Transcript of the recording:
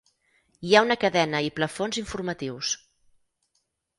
Hi ha una cadena i plafons informatius.